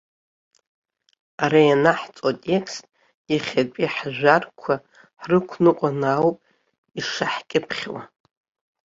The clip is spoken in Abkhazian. Ара ианаҳҵо атекст иахьатәи ҳжәарқәа ҳрықәныҟәаны ауп ишаҳкьыԥхьуа.